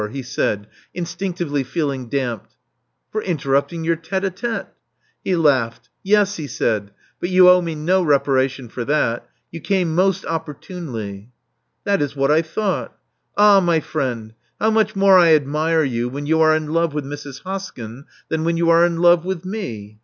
he said, instinctively feeling damped. "For interrupting your tite h tite. He laughed. Yes," he said. "But you owe me no reparation for that. You came most opportunely. '' "That is quite what I thought. Ah, my friend, how much more I admire you when you are in love with Mrs. Hoskyn than when you are in love with me!